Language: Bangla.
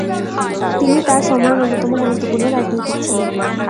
তিনি তার সময়ের অন্যতম গুরুত্বপূর্ণ রাজনীতিক ছিলেন।